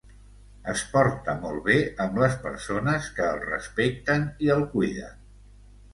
Es porta molt bé amb les persones que el respecten i el cuiden.